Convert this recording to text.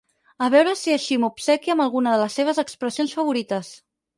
A veure si així m'obsequia amb alguna de les seves expressions favorites.